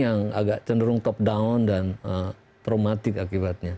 yang agak cenderung top down dan traumatik akibatnya